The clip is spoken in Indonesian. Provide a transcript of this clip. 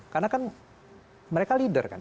karena kan mereka leader kan